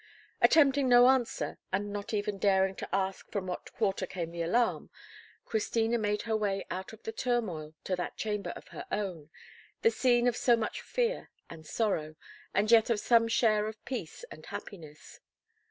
Attempting no answer, and not even daring to ask from what quarter came the alarm, Christina made her way out of the turmoil to that chamber of her own, the scene of so much fear and sorrow, and yet of some share of peace and happiness.